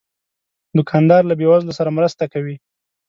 دوکاندار له بې وزلو سره مرسته کوي.